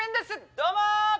どうも！